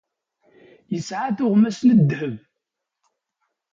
Yesεa tuɣmas n ddheb.